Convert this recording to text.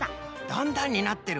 だんだんになってる。